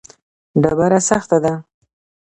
ډبره سخته ده.